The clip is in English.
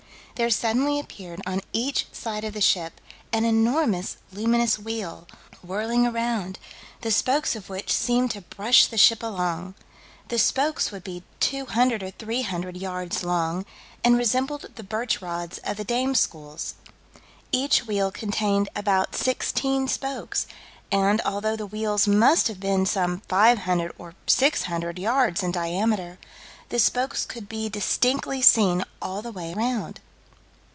there suddenly appeared on each side of the ship an enormous luminous wheel, whirling around, the spokes of which seemed to brush the ship along. The spokes would be 200 or 300 yards long, and resembled the birch rods of the dames' schools. Each wheel contained about sixteen spokes, and, although the wheels must have been some 500 or 600 yards in diameter, the spokes could be distinctly seen all the way round.